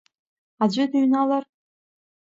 Аӡәы дыҩналар?